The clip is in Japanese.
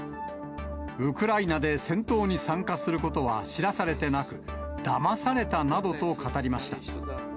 ウクライナで戦闘に参加することは知らされてなく、だまされたなどと語りました。